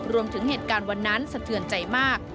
เหตุการณ์วันนั้นสะเทือนใจมาก